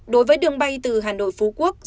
đối với đường bay từ hà nội phú quỳnh hà nội tp hcm